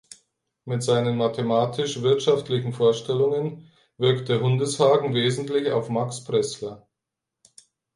Mit seinen mathematisch-wirtschaftlichen Vorstellungen wirkte Hundeshagen wesentlich auf Max Preßler.